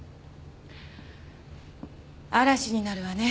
嵐になるわね